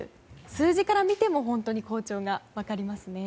数字から見ても本当に好調が分かりますね。